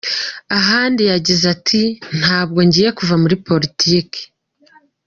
Ahandi yagize ati “Ntabwo ngiye kuva muri politiki.